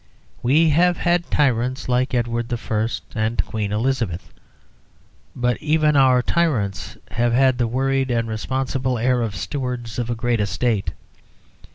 We have had tyrants like Edward I. and Queen Elizabeth, but even our tyrants have had the worried and responsible air of stewards of a great estate.